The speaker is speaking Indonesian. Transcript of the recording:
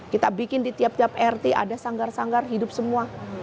kita bikin di tiap tiap rt ada sanggar sanggar hidup semua